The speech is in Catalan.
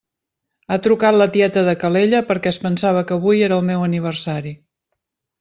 Ha trucat la tieta de Calella perquè es pensava que avui era el meu aniversari.